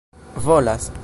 volas